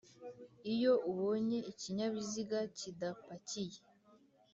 iyo ubonye ikinyabiziga kidapakiye.